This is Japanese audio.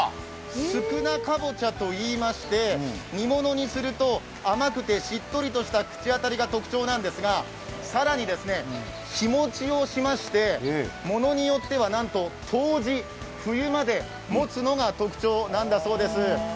宿儺かぼちゃといいまして、煮物にすると、甘くてしっとりとした口当たりが特徴なんですが、更に日持ちもしましてものによってはなんと、冬至冬までもつのが特徴なんだそうです。